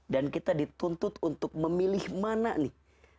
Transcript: dan kita dituntut untuk memilih mana nih